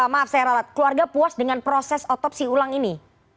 maaf saya ralat keluarga puas dengan proses otopsi ulang ini